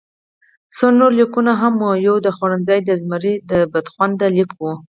څو نور لیکونه هم وو، یو د خوړنځای د زمري بدخونده لیک وو.